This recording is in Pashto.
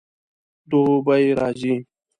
دوبی راځي